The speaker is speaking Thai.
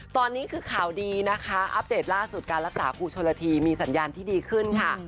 ตอนนี้คือข่าวดีนะคะอัปเดตล่าสุดการรักษาครูชนละทีมีสัญญาณที่ดีขึ้นค่ะ